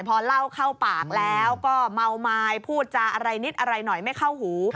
พอเล่าเข้าปากแล้วก็เมาไม้พูดจาอะไรนิดอะไรหน่อยไม่เข้าหู